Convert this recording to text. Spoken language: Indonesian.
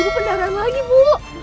ibu pendaraan lagi bu